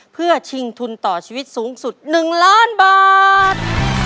เพื่อชิงทุนต่อชีวิตสูงสุด๑ล้านบาท